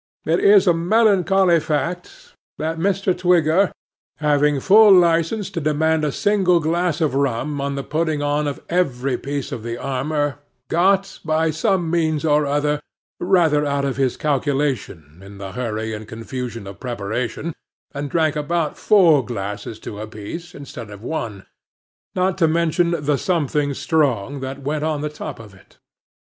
It is a melancholy fact that Mr. Twigger having full licence to demand a single glass of rum on the putting on of every piece of the armour, got, by some means or other, rather out of his calculation in the hurry and confusion of preparation, and drank about four glasses to a piece instead of one, not to mention the something strong which went on the top of it.